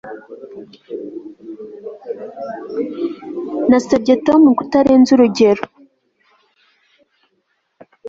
Nasabye Tom kutarenza urugero